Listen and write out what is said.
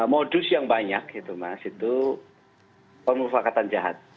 modus yang banyak itu mas itu permufakatan jahat